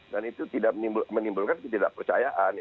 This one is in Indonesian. dan itu menimbulkan ketidakpercayaan